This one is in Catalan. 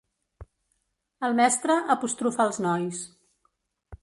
El mestre apostrofà els nois.